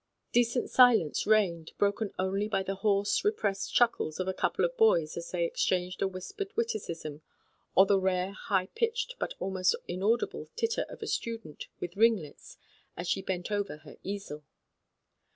Decent silence reigned, broken only by the hoarse, repressed chuckles of a couple of boys as they exchanged a whispered witti cism, or a rare, high pitched, but almost inaudible titter of a student with ringlets as she bent over her easel.